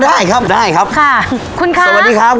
เดี๋ยวไปร้านต่อไปดีกว่า